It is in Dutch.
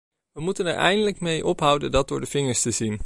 We moeten er eindelijk mee ophouden dat door de vingers te zien.